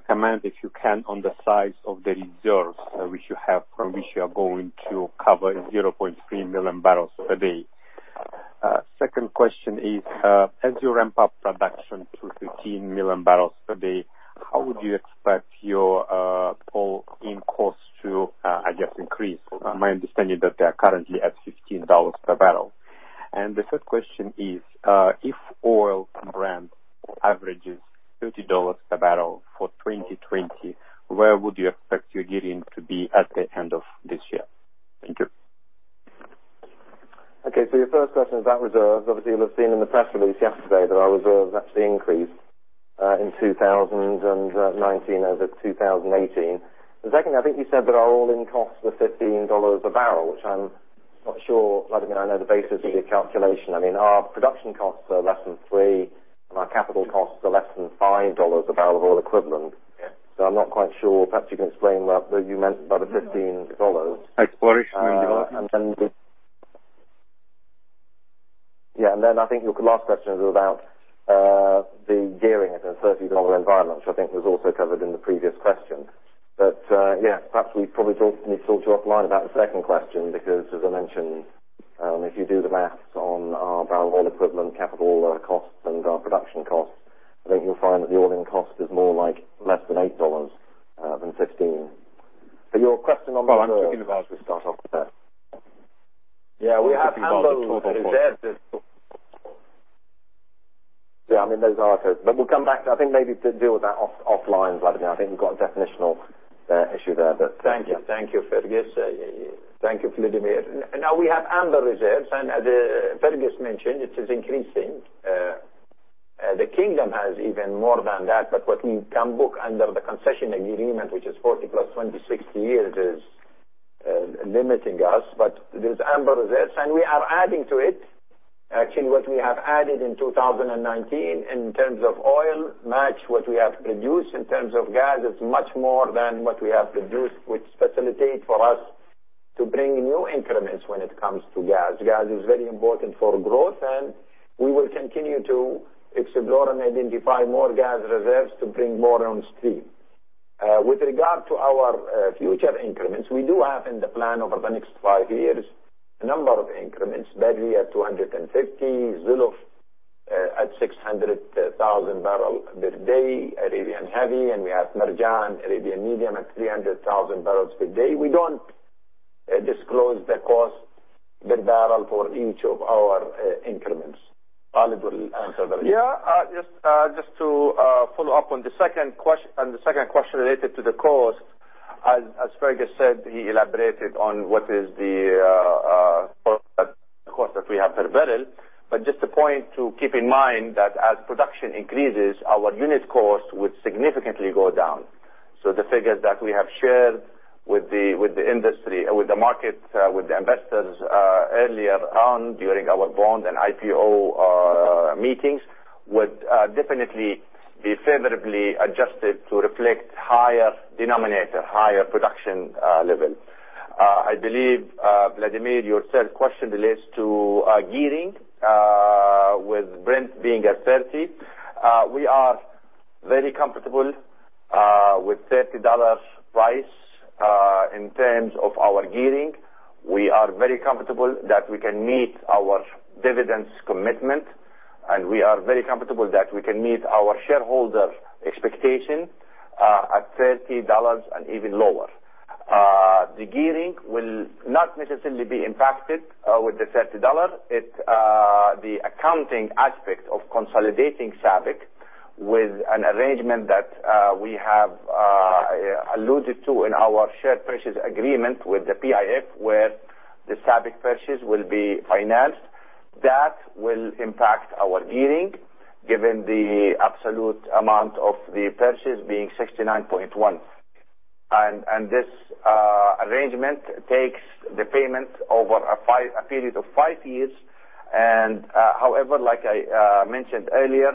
comment, if you can, on the size of the reserves which you have, from which you are going to cover 0.3 million barrels a day? Second question is, as you ramp up production to 13 million barrels per day, how would you expect your all-in cost to, I guess, increase? My understanding that they are currently at $15 per barrel. The third question is, if oil Brent averages $30 per barrel for 2020, where would you expect your gearing to be at the end of this year? Thank you. Okay. Your first question is about reserves. Obviously, you'll have seen in the press release yesterday that our reserves actually increased in 2019 over 2018. The second, I think you said that our all-in costs were $15 a barrel, which I'm not sure, Vladimir, I know the basis of your calculation. I mean, our production costs are less than three, and our capital costs are less than $5 a barrel of oil equivalent. I'm not quite sure. Perhaps you can explain what you meant by the $15. Exploration and development. Yeah. I think your last question was about the gearing at a $30 environment, which I think was also covered in the previous question. Yeah, perhaps we probably need to talk offline about the second question, because as I mentioned, if you do the maths on our barrel oil equivalent capital costs and our production costs, I think you'll find that the oil-in cost is more like less than $8 than $15. Your question on the- Well, I'm thinking about as we start off with that. Yeah, we have ample that is there. Yeah, those are third. We'll come back, I think maybe to deal with that offline, Vladimir. I think we've got a definitional issue there. Thank you. Thank you, Fergus. Thank you, Vladimir. We have ample reserves, and as Fergus mentioned, it is increasing. The kingdom has even more than that, but what we can book under the concession agreement, which is 40+ 20, 60 years, is limiting us. There's ample reserves, and we are adding to it. Actually, what we have added in 2019 in terms of oil match what we have produced in terms of gas is much more than what we have produced, which facilitate for us to bring new increments when it comes to gas. Gas is very important for growth, and we will continue to explore and identify more gas reserves to bring more on stream. With regard to our future increments, we do have in the plan over the next five years, a number of increments, Berri at 250, Zuluf at 600,000 barrel per day, Arabian Heavy, and we have Marjan, Arabian Medium at 300,000 barrels per day. We do not disclose the cost per barrel for each of our increments. Khalid will answer that. Yeah, just to follow up on the second question related to the cost, as Fergus said, he elaborated on what is the cost that we have per barrel. Just a point to keep in mind that as production increases, our unit cost would significantly go down. The figures that we have shared with the industry, with the market, with the investors earlier on during our bond and IPO meetings, would definitely be favorably adjusted to reflect higher denominator, higher production level. I believe, Vladimir, your third question relates to gearing with Brent being at $30. We are very comfortable with $30 price in terms of our gearing. We are very comfortable that we can meet our dividends commitment, and we are very comfortable that we can meet our shareholder expectation at $30 and even lower. The gearing will not necessarily be impacted with the $30. The accounting aspect of consolidating SABIC with an arrangement that we have alluded to in our share purchase agreement with the PIF, where the SABIC purchase will be financed. That will impact our gearing given the absolute amount of the purchase being $69.1. This arrangement takes the payment over a period of five years. However, like I mentioned earlier,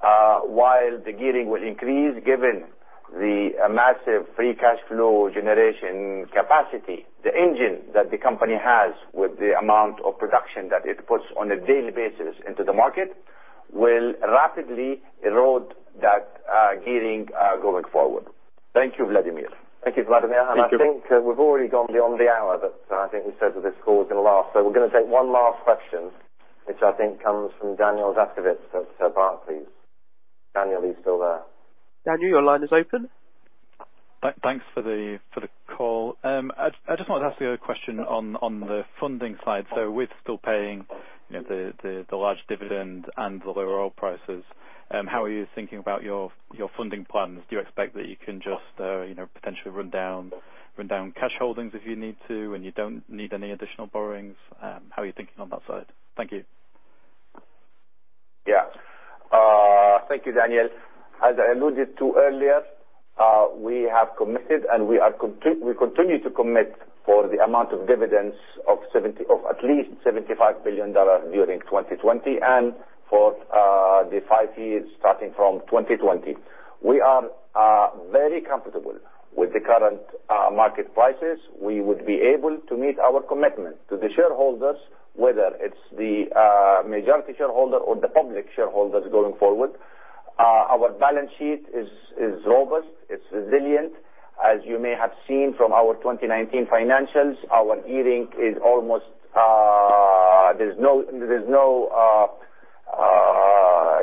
while the gearing will increase, given the massive free cash flow generation capacity, the engine that the company has with the amount of production that it puts on a daily basis into the market will rapidly erode that gearing going forward. Thank you, Vladimir. Thank you, Vladimir. I think we've already gone beyond the hour that I think we said that this call was going to last. We're going to take one last question, which I think comes from Daniel Zaczkiewicz at Barclays. Daniel, are you still there? Daniel, your line is open. Thanks for the call. I just wanted to ask the other question on the funding side. With still paying the large dividend and the lower oil prices, how are you thinking about your funding plans? Do you expect that you can just potentially run down cash holdings if you need to, and you don't need any additional borrowings? How are you thinking on that side? Thank you. Thank you, Daniel. As I alluded to earlier, we have committed and we continue to commit for the amount of dividends of at least 75 billion during 2020 and for the five years starting from 2020. We are very comfortable with the current market prices. We would be able to meet our commitment to the shareholders, whether it's the majority shareholder or the public shareholders going forward. Our balance sheet is robust, it's resilient. As you may have seen from our 2019 financials, our gearing is almost no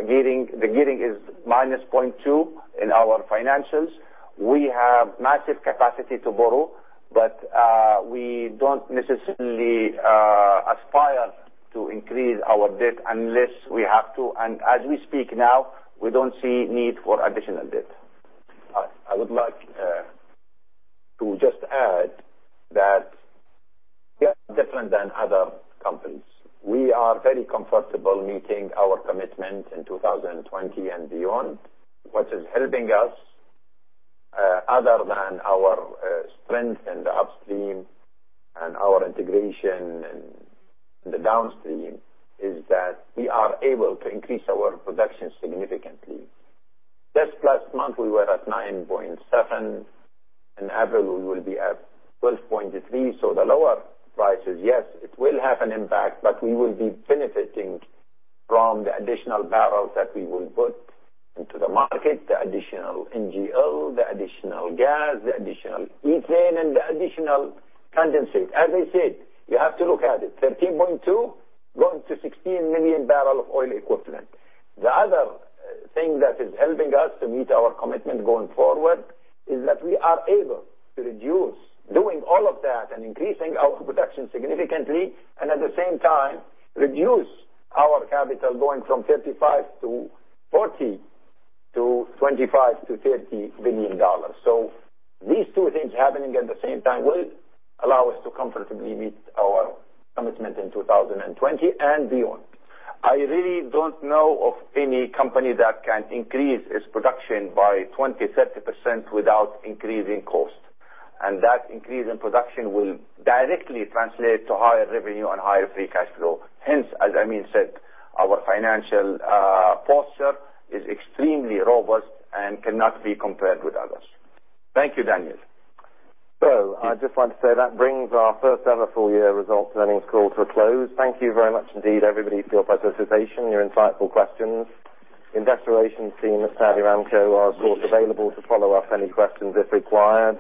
gearing. The gearing is -0.2 in our financials. We have massive capacity to borrow, but we don't necessarily aspire to increase our debt unless we have to. As we speak now, we don't see need for additional debt. I would like to just add that we are different than other companies. We are very comfortable meeting our commitment in 2020 and beyond. What is helping us, other than our strength in the upstream and our integration in the downstream, is that we are able to increase our production significantly. Just last month, we were at 9.7. In April, we will be at 12.3. The lower prices, yes, it will have an impact, but we will be benefiting from the additional barrels that we will put into the market, the additional NGL, the additional gas, the additional ethane, and the additional condensate. As I said, you have to look at it, 13.2 going to 16 million barrel of oil equivalent. The other thing that is helping us to meet our commitment going forward is that we are able to reduce doing all of that and increasing our production significantly, and at the same time reduce our capital going from $35 billion to $40 billion, to $25 billion-$30 billion. These two things happening at the same time will allow us to comfortably meet our commitment in 2020 and beyond. I really don't know of any company that can increase its production by 20%-30% without increasing cost. That increase in production will directly translate to higher revenue and higher free cash flow. Hence, as Amin said, our financial posture is extremely robust and cannot be compared with others. Thank you, Daniel. I just want to say that brings our first-ever full year results earnings call to a close. Thank you very much indeed, everybody, for your participation, your insightful questions. Investor relations team at Saudi Aramco are, of course, available to follow up any questions if required.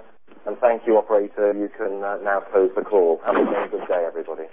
Thank you, operator. You can now close the call. Have a good day, everybody.